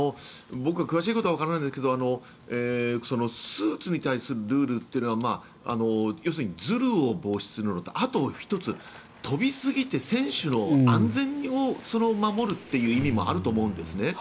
僕は詳しいことがわからないのでスーツに対するルールというのは要するにずるを防止するのとあと１つ飛びすぎて選手の安全を守るという意味もあると思うんですね。